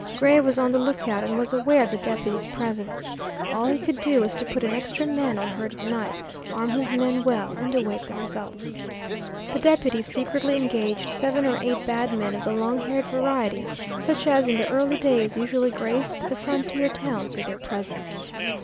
Gray was on the lookout, and was aware of the deputy's presence. All he could do was to put an extra man on herd at night, arm his men well, and await results. The deputy secretly engaged seven or eight bad men of the long haired variety, such as in the early days usually graced the frontier towns with their presence.